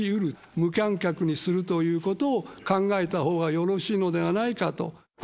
無観客にするということを考えたほうがよろしいのではないかと。